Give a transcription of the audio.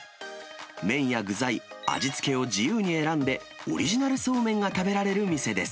麺や具材、味付けを自由に選んで、オリジナルそうめんが食べられる店です。